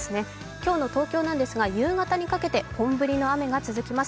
今日の東京なんですが、夕方にかけて本降りの雨が続きます。